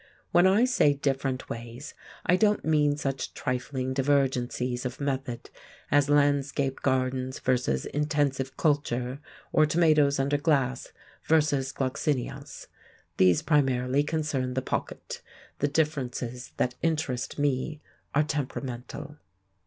When I say different ways, I don't mean such trifling divergencies of method as landscape gardens versus intensive culture, or tomatoes under glass versus gloxinias. These primarily concern the pocket; the differences that interest me are temperamental.